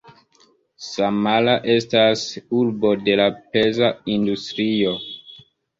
Samara estas urbo de la peza industrio.